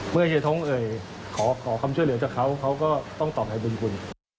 เมื่อเฮียท้องขอคำช่วยเหลือจากเขาเขาก็ต้องตอบให้บุญกุล